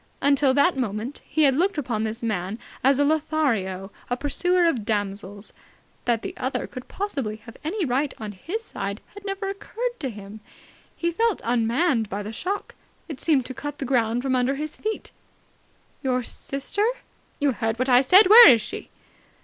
Until that moment he had looked upon this man as a Lothario, a pursuer of damsels. That the other could possibly have any right on his side had never occurred to him. He felt unmanned by the shock. It seemed to cut the ground from under his feet. "Your sister!" "You heard what I said. Where is she?"